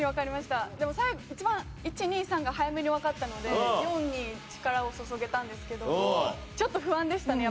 でも一番１２３が早めにわかったので４に力を注げたんですけどちょっと不安でしたね